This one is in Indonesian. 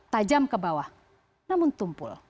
tajam ke bawah namun tumpul